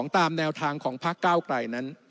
ตามแนวทางของพักเก้าไกลนั้น